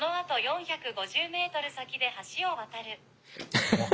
ハハハハ。